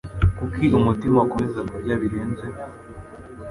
kuki umutima ukomeza kurya birenze